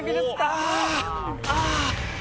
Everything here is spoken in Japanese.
ああ！